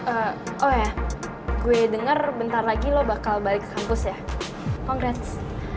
ee oh iya gue denger bentar lagi lo bakal balik kampus ya congrats